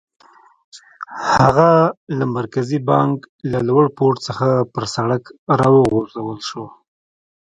هغه له مرکزي بانک له لوړ پوړ څخه پر سړک را وغورځول شو.